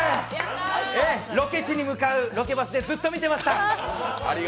ロケ地に向かうロケバスでずっと見てました！